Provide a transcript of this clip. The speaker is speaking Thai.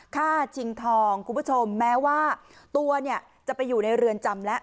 ชิงทองคุณผู้ชมแม้ว่าตัวเนี่ยจะไปอยู่ในเรือนจำแล้ว